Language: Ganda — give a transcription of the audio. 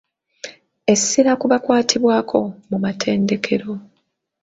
Essira ku bakwatibwako mu matendekero.